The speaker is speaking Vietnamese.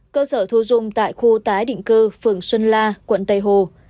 cơ sở thu dung tại khu tái định cư phường xuân la quận tây hồ